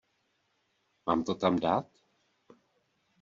Mám to tam dát?